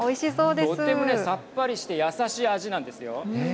とってもね、さっぱりしてやさしい味なんですよ。